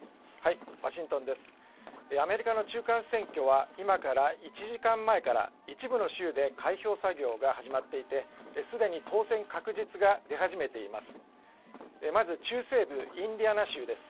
アメリカの中間選挙は今から１時間前から一部の州で開票作業が始まっていてすでに当選確実が出始めています。